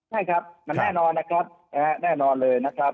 ใช่ครับมันแน่นอนนะครับแน่นอนเลยนะครับ